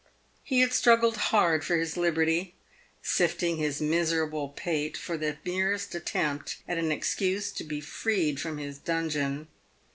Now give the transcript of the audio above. He had struggled hard for his liberty, sifting his miserable pate for the merest attempt at an excuse to be freed from his dungeon.